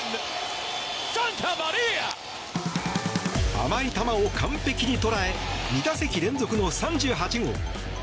甘い球を完璧に捉え２打席連続の３８号。